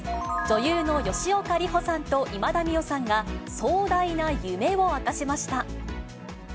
女優の吉岡里帆さんと今田美桜さんが、壮大な夢を明かしました。